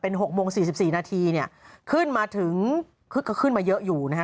เป็นหกโมง๔๔นาทีเนี่ยขึ้นมาถึงขึ้นมาเยอะอยู่นะครับ